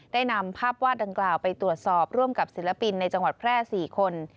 ได้นำภาพวาดดังกล่าวไปตรวจสอบร่วมกับศิลปินในจังหวัดแพร่๔คน